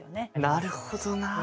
なるほどな。